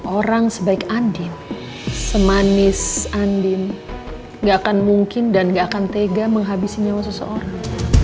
orang sebaik andin semanis andin gak akan mungkin dan gak akan tega menghabisi nyawa seseorang